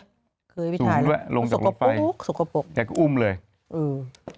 สุกปักปุก